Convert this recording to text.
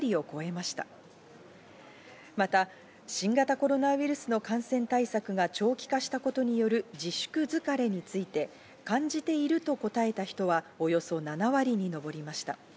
また新型コロナウイルスの感染対策が長期化したことによる自粛疲れについて、感じていると答えた人はおよそ７割にのぼりました。